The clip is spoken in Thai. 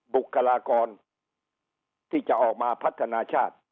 บุคลากรที่จะออกมาพัฒนาชาติ